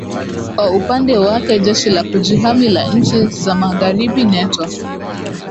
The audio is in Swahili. kwa upande wake jeshi la kujihami la nchi za magharibi neto